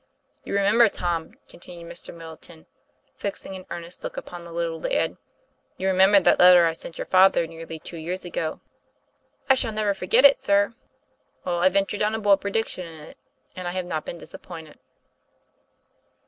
"You remember, Tom," continued Mr. Middleton, fixing an earnest look upon the little lad, 'you remember that letter I sent your father, near t y two years ago ?" "I shall never forget it, sir." "Well, I ventured on a bold prediction in it, and I have not been disappointed."